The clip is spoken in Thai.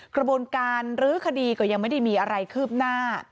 กระบวนการรื้อคดีก็ยังไม่ได้มีอะไรคืบหน้า